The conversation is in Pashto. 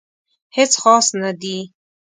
هیڅ خاص نه دي